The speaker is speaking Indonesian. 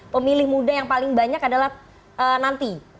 pemilih muda yang paling banyak adalah nanti